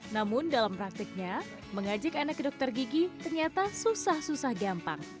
namun dalam praktiknya mengajak anak ke dokter gigi ternyata susah susah gampang